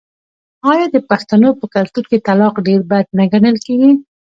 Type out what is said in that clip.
آیا د پښتنو په کلتور کې طلاق ډیر بد نه ګڼل کیږي؟